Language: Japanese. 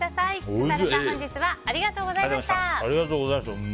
笠原さん、本日はありがとうございました。